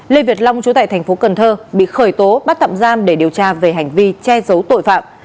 lê việt long chú tại tp cn bị khởi tố bắt tạm giam để điều tra về hành vi che giấu tội phạm